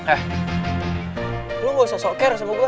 eh lo gak usah sok ker sama gue